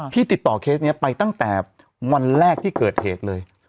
ติดต่อเคสนี้ไปตั้งแต่วันแรกที่เกิดเหตุเลย